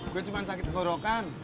gue cuma sakit kegorokan